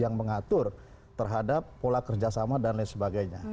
yang mengatur terhadap pola kerjasama dan lain sebagainya